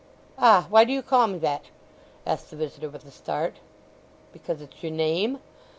"Ah—why do you call me that?" asked the visitor with a start. "Because it's your name.